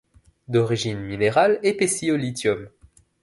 D'origine minérale, épaissie au lithium.